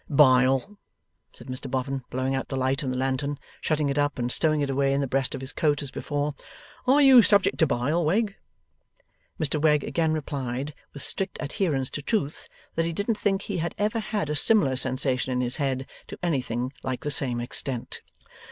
'Bile,' said Mr Boffin, blowing out the light in the lantern, shutting it up, and stowing it away in the breast of his coat as before. 'Are you subject to bile, Wegg?' Mr Wegg again replied, with strict adherence to truth, that he didn't think he had ever had a similar sensation in his head, to anything like the same extent.